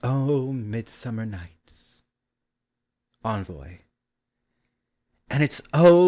O midsummer uights! ENVOY. And it 's oh!